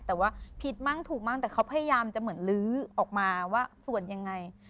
แต่ว่าผิดมั่งถูกมั่งแต่เขาพยายามจะเหมือนลื้อออกมาว่าส่วนยังไง